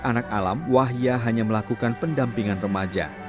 anak alam wahya hanya melakukan pendampingan remaja